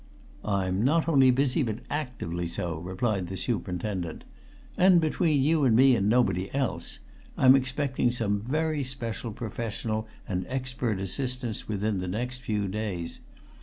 "I'm not only busy, but actively so," replied the superintendent. "And again between you and me and nobody else I'm expecting some very special professional and expert assistance within the next few days.